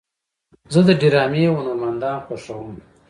زه د ډرامې هنرمندان خوښوم.